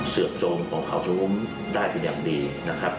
เสือบโทรงของข่าวชมุมได้เป็นอย่างดีนะครับ